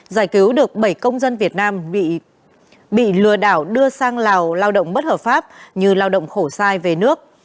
giải cứu được bảy công dân việt nam bị lừa đảo đưa sang lào lao động bất hợp pháp như lao động khổ sai về nước